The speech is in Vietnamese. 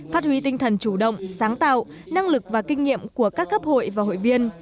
phát huy tinh thần chủ động sáng tạo năng lực và kinh nghiệm của các cấp hội và hội viên